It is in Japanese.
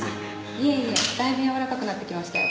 いえいえだいぶ柔らかくなってきましたよ。